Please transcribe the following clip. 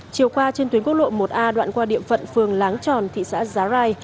chiều qua trên tuyến quốc lộ một a đoạn qua điểm vận phường láng tròn thị xã giá rai